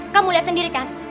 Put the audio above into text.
kamu lihat sendiri kan